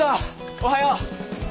おはよう。